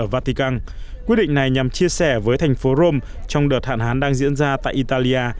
vatican quyết định này nhằm chia sẻ với thành phố rome trong đợt hạn hán đang diễn ra tại italia